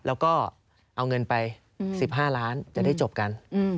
แล้วก็เอาเงินไป๑๕ล้านจะได้จบกัน